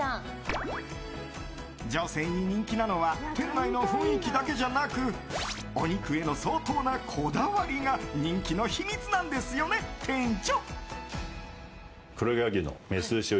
女性に人気なのは店内の雰囲気だけじゃなくお肉への相当なこだわりが人気の秘密なんですよね、店長。